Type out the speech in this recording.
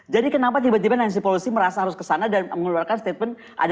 jadi kenapa tiba tiba nancy pelosi merasa harus kesana dan mengeluarkan statement ada apa berdasarkan itu